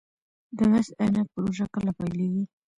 د مس عینک پروژه کله پیلیږي؟